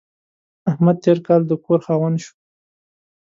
احمد تېر کال د کور خاوند شو.